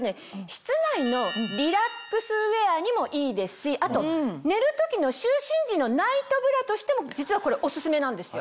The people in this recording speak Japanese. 室内のリラックスウェアにもいいですしあと寝る時の就寝時のナイトブラとしても実はこれオススメなんですよ。